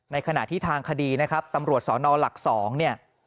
ขณะที่ทางคดีนะครับตำรวจสนหลัก๒เนี่ย